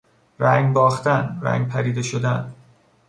رنگ باختن، رنگ پریده شدن